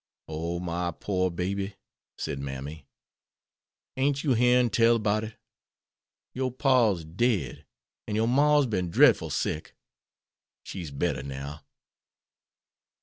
"Oh, my pore baby!" said mammy, "ain't you hearn tell 'bout it? Yore par's dead, an' your mar's bin drefful sick. She's better now."